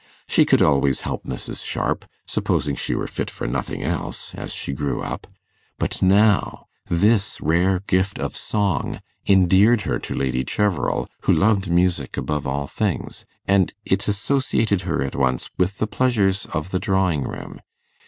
She could always help Mrs. Sharp, supposing she were fit for nothing else, as she grew up; but now, this rare gift of song endeared her to Lady Cheverel, who loved music above all things, and it associated her at once with the pleasures of the drawing room.